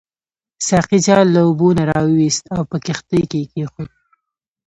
ساقي جال له اوبو نه راوایست او په کښتۍ کې کېښود.